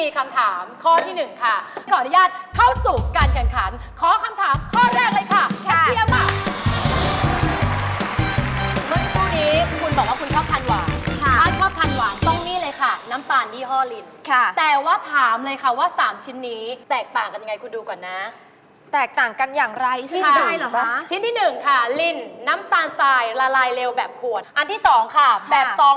คุณมาจับที่๑ข้อขออนุญาตเข้าสู่การแข่งขัน